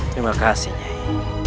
terima kasih nyai